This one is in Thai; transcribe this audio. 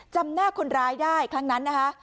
จำหน้าคนร้ายได้ครั้งนั้นนะคะ